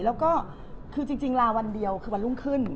แล้วก็คือจริงลาวันเดียวคือวันรุ่งขึ้น